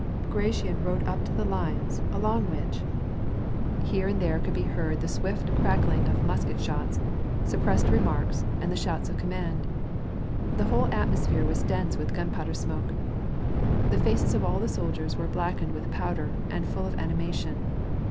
Bagration rode up to the lines^ along which, here and there WAR AND PEACE. 217 could be heard the swift cracking of musket shots, suppressed remarks, and the shouts of command. The whole atmosphere was dense with gunpowder smoke. The faces of all the sol diers wei e blackened with powder, and full of animation.